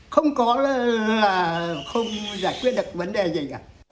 không có là không giải quyết được vấn đề gì cả